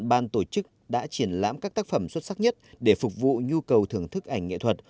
ban tổ chức đã triển lãm các tác phẩm xuất sắc nhất để phục vụ nhu cầu thưởng thức ảnh nghệ thuật